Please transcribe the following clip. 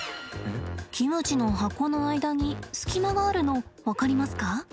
キムチの箱の間に隙間があるの分かりますか？